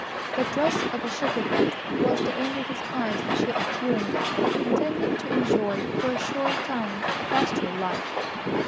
The dress of a shepherdess was the only disguise she assumed, intending to enjoy for a short time a pastoral life.